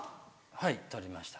はい取りました。